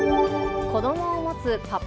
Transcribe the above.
子どもを持つパパ